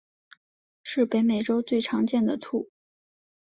是北美洲最常见的兔。